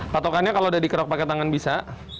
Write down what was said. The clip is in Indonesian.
patokannya kalau udah dikerok pakai tangan bisa